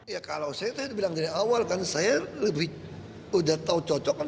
ya kalau saya tadi bilang dari awal kan saya lebih udah tahu cocokan